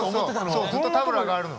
そうずっとタブラがあるの。